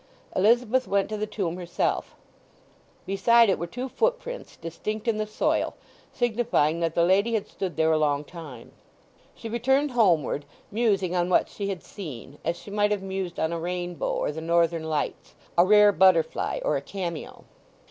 Elizabeth went to the tomb herself; beside it were two footprints distinct in the soil, signifying that the lady had stood there a long time. She returned homeward, musing on what she had seen, as she might have mused on a rainbow or the Northern Lights, a rare butterfly or a cameo.